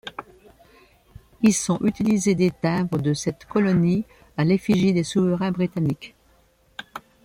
Y sont utilisés des timbres de cette colonie à l'effigie des souverains britanniques.